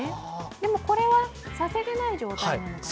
でも、これはさせていない状態なのかな。